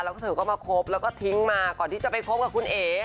แล้วก็เธอก็มาคบแล้วก็ทิ้งมาก่อนที่จะไปคบกับคุณเอ๋